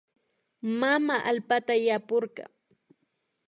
Mama allpata yapurka